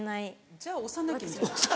じゃあ押さなきゃいいじゃん。